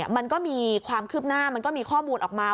มันก็มีความคืบหน้ามันก็มีข้อมูลออกมา